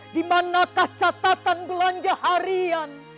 dimanakah catatan belanja harian